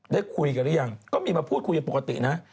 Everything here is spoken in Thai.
ได้คุยกันหรือยังก็มีมาพูดคุยกันปกตินะ